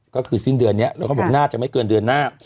ก็คือสิ้นเดือนนี้แล้วก็บอกน่าจะไม่เกินเดือนหน้า